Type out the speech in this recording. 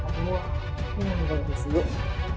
nhằm người bạn có thể mua nhưng mà người bạn có thể sử dụng